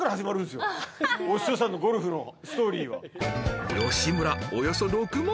お師匠さんのゴルフのストーリーは。